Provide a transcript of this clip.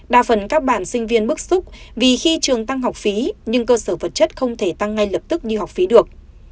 đa phần các bạn sinh viên bức xúc vì khi trường tăng học phí nhưng cơ sở vật chất không thể tăng ngay lập tức đi học phí được